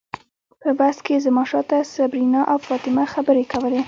په بس کې زما شاته صبرینا او فاطمه خبرې کولې.